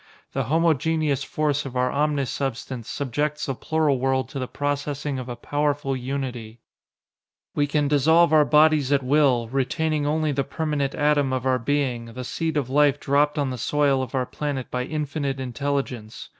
The homogeneous force of our omni substance subjects the plural world to the processing of a powerful unity. "We can dissolve our bodies at will, retaining only the permanent atom of our being, the seed of life dropped on the soil of our planet by Infinite Intelligence.